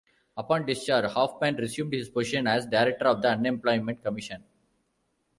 Upon discharge, Hoffman resumed his position as director of the Unemployment Commission.